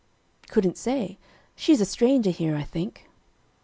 "Couldn't say. She is a stranger here, I think."